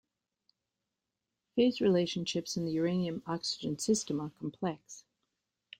Phase relationships in the uranium-oxygen system are complex.